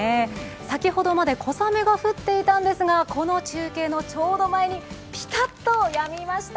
先ほどまで小雨が降っていたんですが、この中継のちょうど前にピタッとやみました。